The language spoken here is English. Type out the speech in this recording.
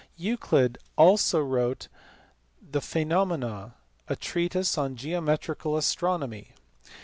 63 Euclid also wrote the Phaenomena, a treatise on geometrical astronomy.